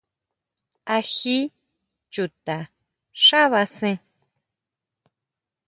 ¿Á jí chuta xábasen?